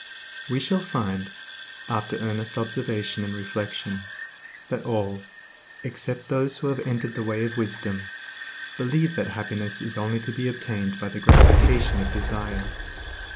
We shall find, after earnest observation and reflection, that all, except those who have entered the way of wisdom, believe that happiness is only to be obtained by the gratification of desire.